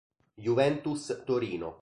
Juventus Torino